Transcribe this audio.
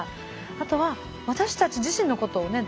あとは私たち自身のことをね